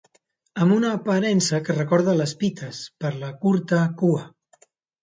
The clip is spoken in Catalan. Amb una aparença que recorda a les pites, per la curta cua.